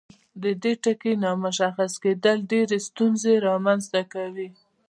د دې ټکي نامشخص کیدل ډیرې ستونزې رامنځته کوي.